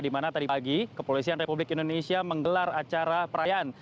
di mana tadi pagi kepolisian republik indonesia menggelar acara perayaan